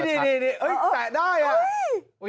แตะได้อ่ะ